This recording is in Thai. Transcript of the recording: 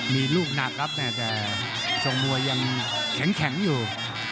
มีลูกหนักครับเนี่ยแต่ทรงมวยยังแข็งแข็งอยู่